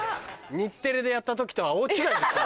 日テレでやった時とは大違いですね。